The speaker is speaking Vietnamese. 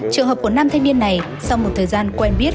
trường hợp của nam thanh niên này sau một thời gian quen biết